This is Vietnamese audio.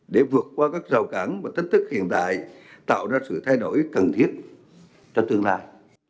để vượt qua các rào cản và tính thức hiện tại tạo ra sự thay đổi cần thiết cho tương lai